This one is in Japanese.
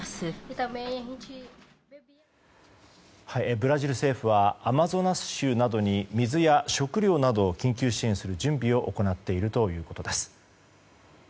ブラジル政府はアマゾナス州などに水や食料などを緊急支援する準備を行っているということです。